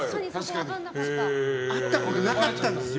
会ったことなかったんですよ。